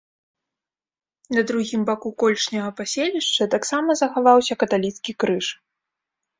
На другім баку колішняга паселішча таксама захаваўся каталіцкі крыж.